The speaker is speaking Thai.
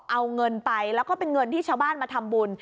เอาเงินไปแล้วก็เป็นเงินที่ชาวบ้านมาทำบุญ